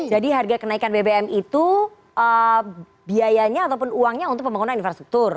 jadi harga kenaikan bbm itu biayanya ataupun uangnya untuk pembangunan infrastruktur